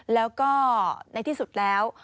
แล้วก็ในที่สุดแล้ว